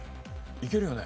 いけるよね？